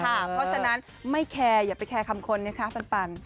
เพราะฉะนั้นไม่แคร์อย่าไปแคร์คำคนนะคะปัน